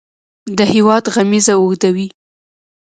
د هیواد غمیزه اوږدوي.